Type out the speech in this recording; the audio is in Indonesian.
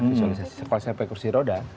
visualisasi kalau saya pakai kursi roda